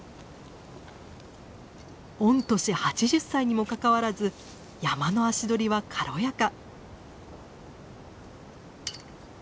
御年８０歳にもかかわらず山の足取りは軽やか。